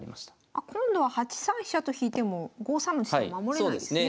あ今度は８三飛車と引いても５三の地点守れないですね。